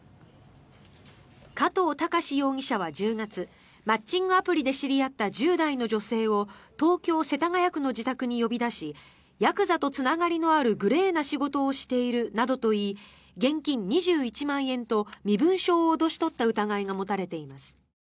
加藤崇史容疑者は１０月マッチングアプリで知り合った１０代の女性を東京・世田谷区の自宅に呼び出しヤクザとつながりのあるグレーな仕事をしているなどと言い現金２１万円と身分証を脅し取った疑いが持たれています。